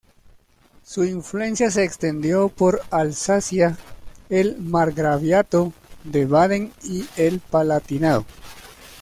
Su influencia se extendió por Alsacia, el margraviato de Baden y el Palatinado.